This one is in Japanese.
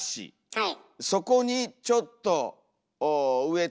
はい。